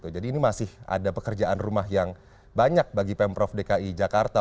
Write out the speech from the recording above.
jadi ini masih ada pekerjaan rumah yang banyak bagi pemprov dki jakarta